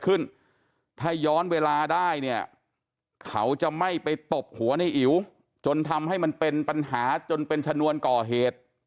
ขึ้นถ้าย้อนเวลาได้เนี่ยเขาจะไม่ไปตบหัวในอิ๋วจนทำให้มันเป็นปัญหาจนเป็นชนวนก่อเหตุ